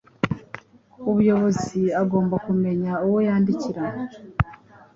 ubuyobozi agomba kumenya uwo yandikira,